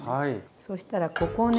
そしたらここをね